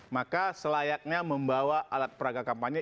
maka selayaknya membawa alat peraga kampanye